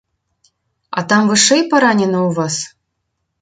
А там вышэй паранена ў вас?